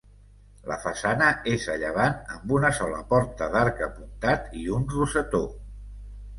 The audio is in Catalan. La façana és a llevant amb una sola porta d'arc apuntat i un rosetó.